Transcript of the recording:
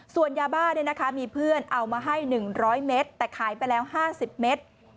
ส่วนยาบ้ามีเพื่อนเอามาให้๑๐๐เมตรแต่ขายไปแล้ว๕๐เมตร